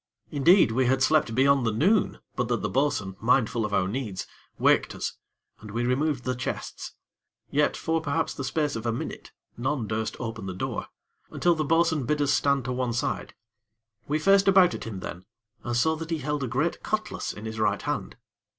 Indeed, we had slept beyond the noon, but that the bo'sun, mindful of our needs, waked us, and we removed the chests. Yet, for perhaps the space of a minute, none durst open the door, until the bo'sun bid us stand to one side. We faced about at him then, and saw that he held a great cutlass in his right hand.